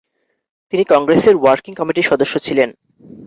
তিনি কংগ্রেসের ওয়ার্কিং কমিটির সদস্য ছিলেন।